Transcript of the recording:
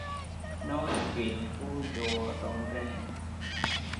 Nói chuyện vui đùa rộn ràng